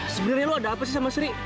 sebenernya lu ada apa sih sama sri